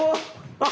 あっ！